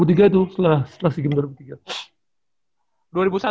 dua ribu tiga itu setelah seagames dua ribu tiga